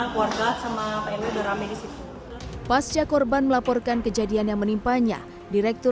keluarga sama pmu udah ramai disitu pasca korban melaporkan kejadian yang menimpanya direktur